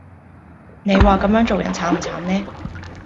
你話咁樣做人慘唔慘呢